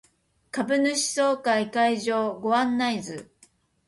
株主総会会場ご案内図